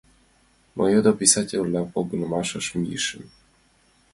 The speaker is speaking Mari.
Мый одо писатель-влак погынымашыш мийышым.